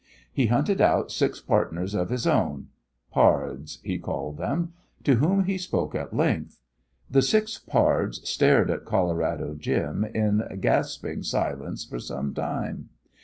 He hunted out six partners of his own "pards," he called them to whom he spoke at length. The six pards stared at Colorado Jim in gasping silence for some time.